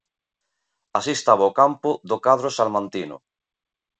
Así estaba o campo do cadro salmantino.